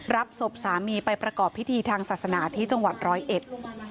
รับศพสามีไปประกอบพิธีทางศาสนาที่จังหวัดร้อยเอ็ด